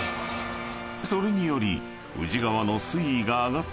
［それにより］